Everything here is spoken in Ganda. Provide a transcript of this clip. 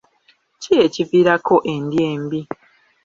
Ki ekiviirako endya embi?